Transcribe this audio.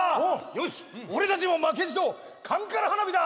よし俺たちも負けじとカンカラ花火だ！